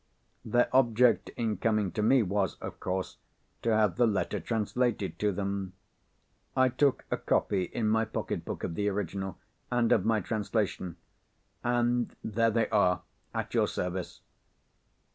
Their object in coming to me was, of course, to have the letter translated to them. I took a copy in my pocket book of the original, and of my translation—and there they are at your service."